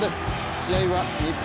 試合は日本